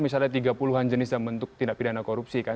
misalnya tiga puluh an jenis dalam bentuk tindak pidana korupsi kan